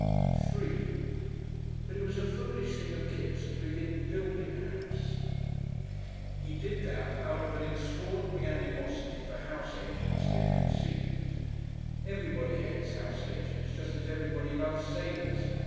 §3 But it was a foolish thing of Kipps to begin building a house. He did that out of an extraordinary animosity for house agents he had conceived. Everybody hates house agents just as everybody loves sailors.